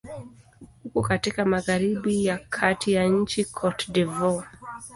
Uko katika magharibi ya kati ya nchi Cote d'Ivoire.